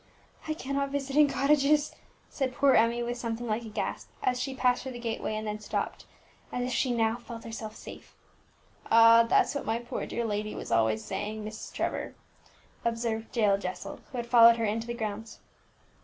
"I cannot visit in cottages," said poor Emmie with something like a gasp, as she passed through the gateway and then stopped, as if she now felt herself safe. "Ah! that's what my poor dear lady was always saying, Miss Trevor," observed Jael Jessel, who had followed her into the grounds.